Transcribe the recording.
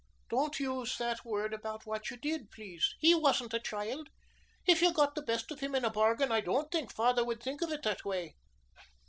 "Don't use that word about what you did, please. He wasn't a child. If you got the best of him in a bargain, I don't think father would think of it that way."